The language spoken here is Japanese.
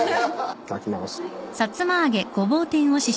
いただきます。